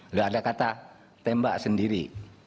nggak ada kata tembak sendiri